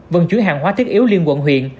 vận chuyển hàng hóa thiết yếu liên quận huyện